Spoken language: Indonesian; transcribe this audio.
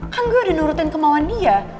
kan gue udah nurutin kemauan dia